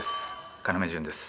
要潤です。